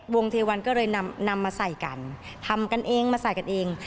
เทวันก็เลยนำมาใส่กันทำกันเองมาใส่กันเอง